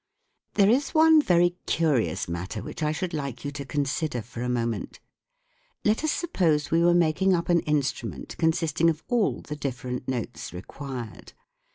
There is one very curious matter which I should like you to consider for a moment. Let us suppose we were making up an instrument con sisting of all the different notes required.